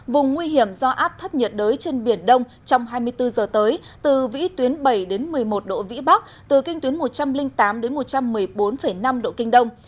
vùng nguy hiểm do áp thấp nhiệt đới trên biển đông trong hai mươi bốn giờ tới từ vĩ tuyến bảy một mươi một độ vĩ bắc từ kinh tuyến một trăm linh tám một trăm một mươi bốn năm độ kinh đông